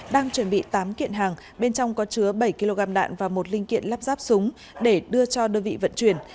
đang chuẩn bị tám kiện hàng bên trong có chứa bảy kg đạn và một linh kiện lắp ráp súng để đưa cho đơn vị vận chuyển